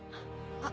あっ！